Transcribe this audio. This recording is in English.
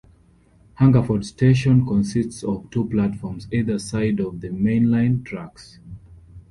Hungerford station consists of two platforms either side of the mainline tracks.